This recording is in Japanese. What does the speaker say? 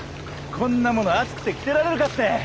こんなもの暑くて着てられるかって。